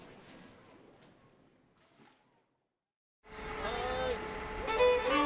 はい。